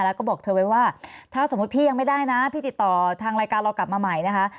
แล้วก็บอกเธอไว้ว่าถ้าสมมุติพี่ยังไม่ได้นะพี่ติดต่อทางรายการเรากลับมาใหม่นะคะ